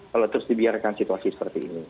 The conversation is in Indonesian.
kalau terus dibiarkan situasi seperti ini